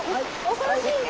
恐ろしいね！